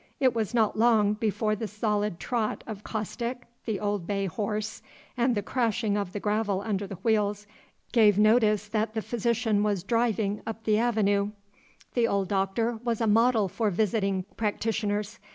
It was not long before the solid trot of Caustic, the old bay horse, and the crashing of the gravel under the wheels, gave notice that the physician was driving up the avenue. The old Doctor was a model for visiting practitioners.